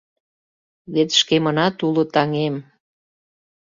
Вет шкемынат уло таҥем.